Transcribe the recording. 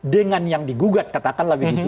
dengan yang digugat katakanlah begitu